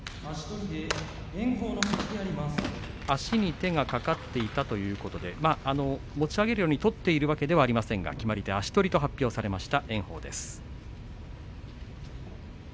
足に手が掛かっていたということで持ち上げるように取っているわけではありませんが決まり手は足取りと発表されました。